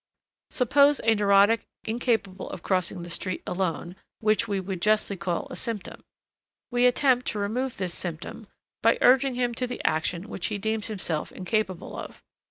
Suppose a neurotic incapable of crossing the street alone, which we would justly call a "symptom." We attempt to remove this symptom by urging him to the action which he deems himself incapable of.